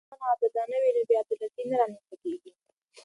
که تعلیمي ارزونه عادلانه وي، بې عدالتي نه رامنځته کېږي.